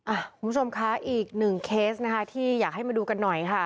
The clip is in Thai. คุณผู้ชมคะอีกหนึ่งเคสนะคะที่อยากให้มาดูกันหน่อยค่ะ